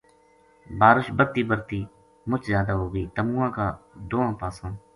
بارش برتی برہتی مُچ زیادہ ہو گئی تمواں کا دواں پاساں